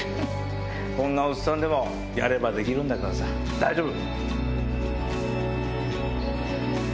こんなおっさんでもやればできるんだから大丈夫！